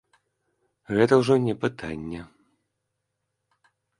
Гэта ўжо не пытанне.